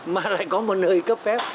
mà lại có một nơi cấp phép